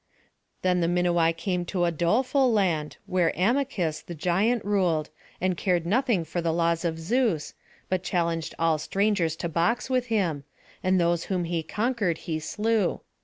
Then the Minuai came to a doleful land, where Amycus the giant ruled, and cared nothing for the laws of Zeus, but challenged all strangers to box with him, and those whom he conquered he slew.